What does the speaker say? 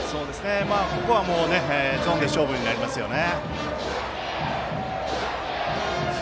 ここはゾーンで勝負になりますよね。